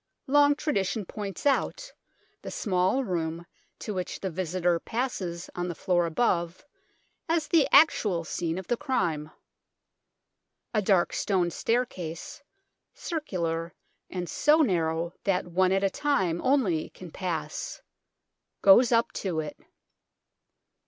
Long tradition points out the small room to which the visitor passes on the floor above as the actual scene of the crime. A dark stone staircase, circular and so narrow that one at a time only can pass, goes up to it.